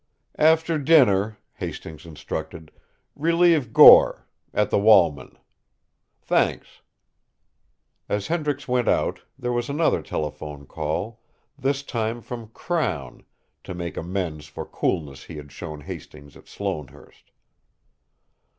"After dinner," Hastings instructed, "relieve Gore at the Walman. Thanks." As Hendricks went out, there was another telephone call, this time from Crown, to make amends for coolness he had shown Hastings at Sloanehurst.